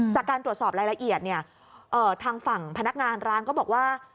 จากการตรวจสอบรายละเอียดเนี่ยทางฝั่งพนักงานร้านก็บอกว่า